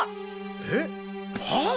えっはっ！